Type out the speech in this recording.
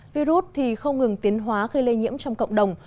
virus thì không ngừng tiến hóa gây lây nhiễm trong cộng đồng